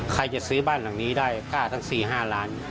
ใครจะซื้อบ้านหลังนี้ได้ค่าทั้ง๔๕ล้าน